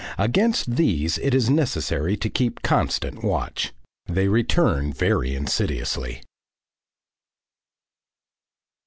Against these it is necessary to keep constant watch. They return very insidiously.